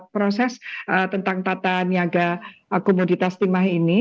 proses tentang tata niaga komoditas timah ini